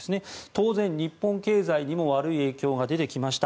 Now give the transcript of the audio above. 当然、日本経済にも悪い影響が出てきました。